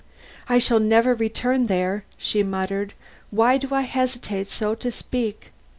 "I shall never return there," she muttered; "why do I hesitate so to speak!"